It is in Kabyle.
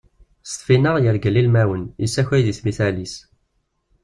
S Tfinaɣ irgel ilmawen, yessakay deg tmital-is.